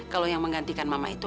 kalau yang menggantikan mama itu